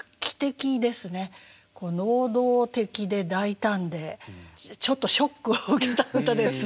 能動的で大胆でちょっとショックを受けた歌です。